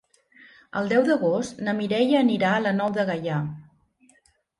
El deu d'agost na Mireia anirà a la Nou de Gaià.